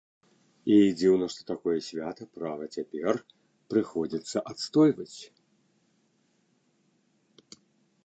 І дзіўна, што такое святое права цяпер прыходзіцца адстойваць.